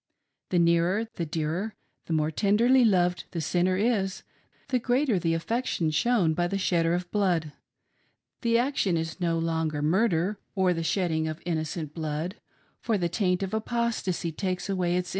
The nearer, the dearer, the more tenderly loved the sinner is, the greater the affection shown by the shedder of blood — the action is no longer mur der or the shedding of innocent blood, for the taint of apostacy takes away its.